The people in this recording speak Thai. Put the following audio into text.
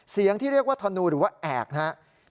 ที่เรียกว่าธนูหรือว่าแอกนะครับ